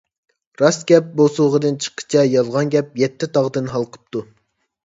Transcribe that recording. راست گەپ بۇسۇغىدىن چىققىچە، يالغان گەپ يەتتە تاغدىن ھالقىپتۇ.